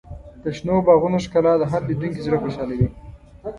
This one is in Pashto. د شنو باغونو ښکلا د هر لیدونکي زړه خوشحالوي.